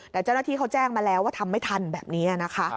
แต่เจ้าหน้าที่เขาแจ้งมาแล้วว่าทำไม่ทันแบบนี้นะคะ